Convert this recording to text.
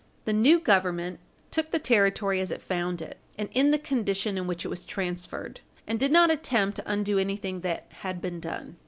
The new Government took the territory as it found it, and in the condition in which it was transferred, and did not attempt to undo anything that had been done.